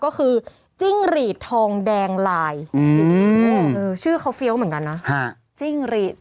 ก็คือจิ้งรีดทองแดงลายอื้อชื่อเขาเหมือนกันนะฮะจิ้งรีด